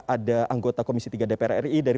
ada anggota komisi tiga dpr ri dari